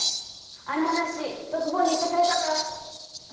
あの話篤坊に言ってくれたかい？